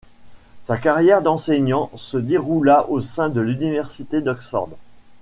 Sa carrière d'enseignant se déroula au sein de l'Université d'Oxford.